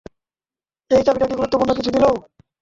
এই চাবিটা কি গুরুত্বপূর্ণ কিছু ছিলো?